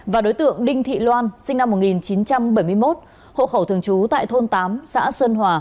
và đối tượng đinh thị loan sinh năm một nghìn chín trăm bảy mươi một hộ khẩu thường trú tại thôn tám xã xuân hòa